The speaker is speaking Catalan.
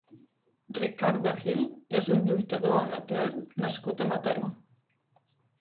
Ricardo Gil és un lluitador amateur nascut a Mataró.